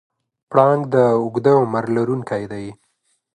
پړانګ د اوږده عمر لرونکی دی.